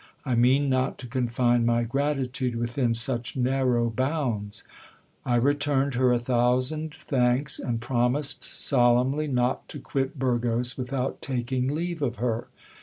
I mean not to confine my gratitude within such nar row bounds. I returned her a thousand thanks, and promised solemnly not to quit Burgos, without taking leave of her.